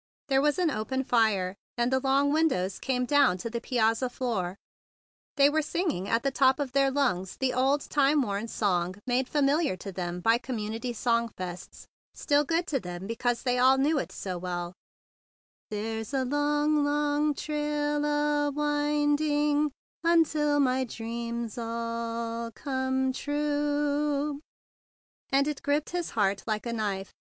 There was an open fire, and the long windows came down to the piazza floor. They were singing at the top of their lungs, the old, time worn song made familiar to them by com¬ munity sing songs, still good to them because they all knew it so well, " There's a long, long trail a winding Until my dreams all come true;" and it gripped his heart like a knife.